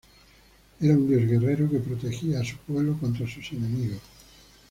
Era un dios guerrero, que protegía a su pueblo contra sus enemigos.